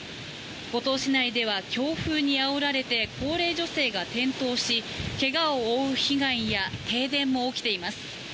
五島市内では強風にあおられて高齢女性が転倒しけがを負う被害や停電も起きています。